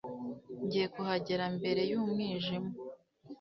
Ngiye kuhagera mbere y'umwijima